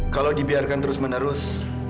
kalau dibiarkan terus menerus